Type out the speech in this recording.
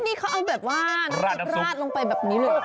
นี่เขาเอาแบบว่าน้ำสุกราดลงไปแบบนี้เหรอ